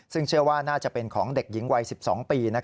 ซึ่งเชื่อว่าน่าจะเป็นของเด็กหญิงวัย๑๒ปี